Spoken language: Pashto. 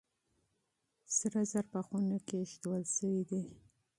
سره زر په خونه کې ايښودل شوي دي.